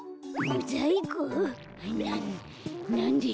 ななんで？